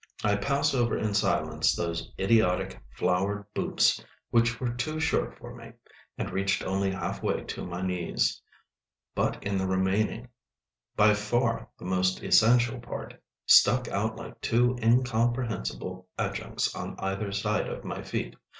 I pass over in silence those idiotic flowered boots, which were too short for me, and reached only half way to my knees; but in the remaining, by far the most essential part, stuck out like two incomprehensible adjuncts on either side of my feet.